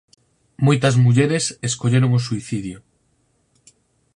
Moitas mulleres escolleron o suicidio